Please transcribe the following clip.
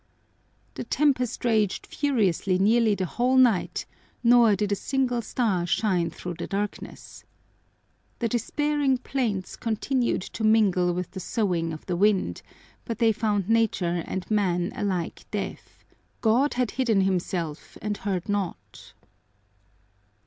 The tempest raged furiously nearly the whole night, nor did a single star shine through the darkness. The despairing plaints continued to mingle with the soughing of the wind, but they found Nature and man alike deaf; God had hidden himself and heard not.